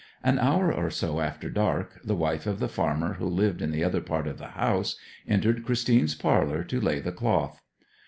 An hour or so after dark the wife of the farmer who lived in the other part of the house entered Christine's parlour to lay the cloth.